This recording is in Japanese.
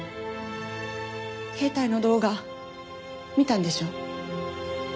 携帯の動画見たんでしょ？